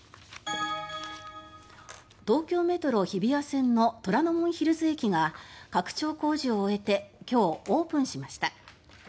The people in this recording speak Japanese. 東京メトロ日比谷線の虎ノ門ヒルズ駅が拡張工事を終えて今日、オープンしました。